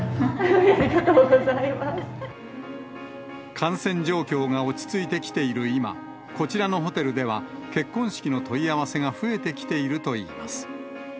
感染状況が落ち着いてきている今、こちらのホテルでは、結婚式の問い合わせが増えてきているといいます。